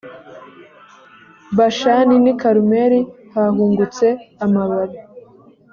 bashani n i karumeli hahungutse amababi